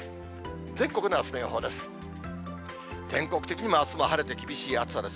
全国のあすの予報です。